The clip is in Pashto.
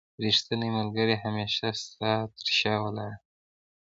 رښتينی ملګری هميشه ستا تر شا ولاړ دی